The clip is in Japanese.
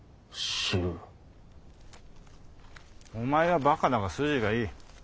お前はバカだが筋がいい。